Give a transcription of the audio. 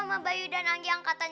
mak udah ikhlas ya